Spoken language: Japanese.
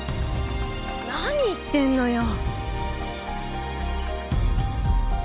何言ってんのよ。